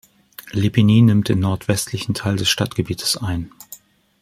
Lipiny nimmt den nordwestlichen Teil des Stadtgebiets ein.